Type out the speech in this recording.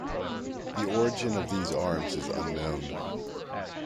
The origin of these arms is unknown.